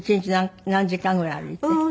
１日何時間ぐらい歩いて？